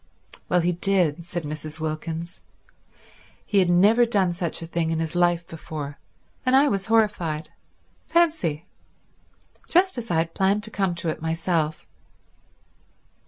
"Well, he did," said Mrs. Wilkins. "He had never done such a thing in his life before, and I was horrified. Fancy—just as I had planned to come to it myself."